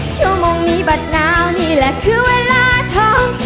ชั่วโมงนี้บัตรนาวนี่แหละคือเวลาทอง